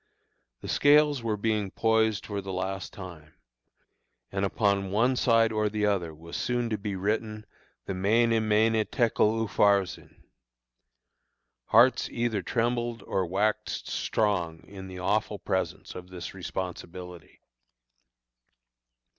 The scales were being poised for the last time, and upon the one side or the other was soon to be written the "Mene, Mene, Tekel, Upharsin." Hearts either trembled or waxed strong in the awful presence of this responsibility.